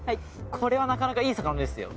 これはなかなかいい魚ですよ。